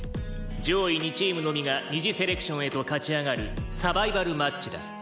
上位２チームのみが二次セレクションへと勝ち上がるサバイバルマッチだ。